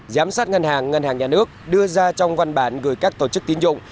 giám sát ngân hàng ngân hàng nhà nước đưa ra trong văn bản gửi các tổ chức tín dụng